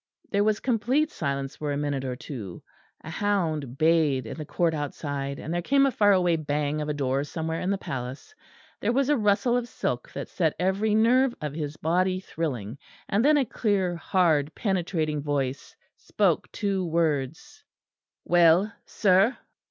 There was complete silence for a moment or two; a hound bayed in the court outside, and there came a far away bang of a door somewhere in the palace. There was a rustle of silk that set every nerve of his body thrilling, and then a clear hard penetrating voice spoke two words. "Well, sir?"